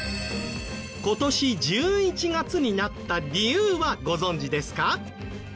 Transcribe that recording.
今年１１月になった理由はご存じですか？